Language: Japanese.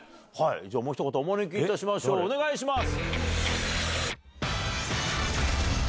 もうひと方お招きいたしましょうお願いします。